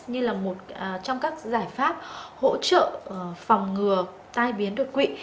như là một trong các giải pháp hỗ trợ phòng ngừa tai biến đột quỵ